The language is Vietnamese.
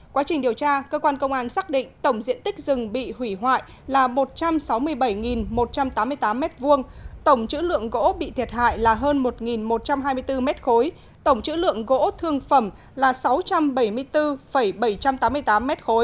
quá trình điều tra cơ quan công an xác định tổng diện tích rừng bị hủy hoại là một trăm sáu mươi bảy một trăm tám mươi tám m hai tổng chữ lượng gỗ bị thiệt hại là hơn một một trăm hai mươi bốn m ba tổng chữ lượng gỗ thương phẩm là sáu trăm bảy mươi bốn bảy trăm tám mươi tám m ba